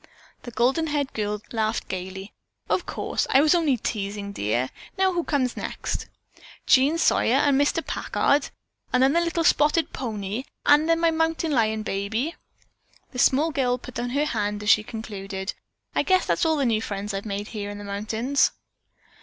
The golden haired girl laughed gaily: "Of course, I was only teasing, dear. Now who comes next?" "Jean Sawyer and Mr. Packard and then the little spotted pony, and then my mountain lion baby." The small girl put down her hand as she concluded. "I guess that's all the new friends I've made here in the mountains."